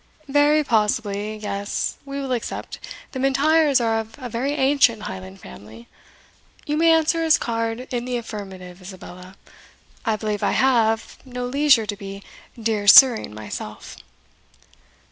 "Very possibly yes, we will accept the M'Intyres are of a very ancient Highland family. You may answer his card in the affirmative, Isabella; I believe I have, no leisure to be Dear Sirring myself."